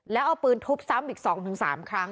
แล้วเอาปืนทุบซ้ำอีกสองถึงสามครั้ง